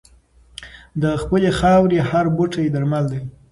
د خپلې خاورې هر بوټی درمل دی.